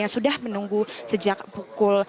yang sudah menunggu sejak pukul